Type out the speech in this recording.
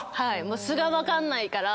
素が分かんないから。